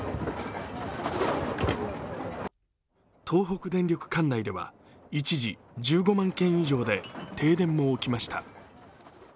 東北電力管内では一時１５万軒以上で停電も起きました。